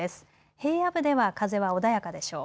平野部では風は穏やかでしょう。